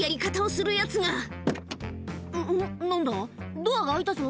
ドアが開いたぞ？